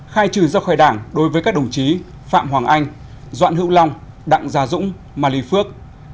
khai trừ ra khỏi đảng đối với các đồng chí phạm hoàng anh doạn hữu long đặng gia dũng mà lý phước